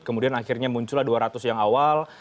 kemudian akhirnya muncullah dua ratus yang awal